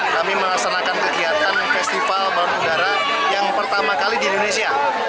kami melaksanakan kegiatan festival balon udara yang pertama kali di indonesia